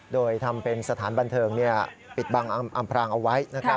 โดยทำเป็นสถานบันเทิงปิดบังอำพรางเอาไว้นะครับ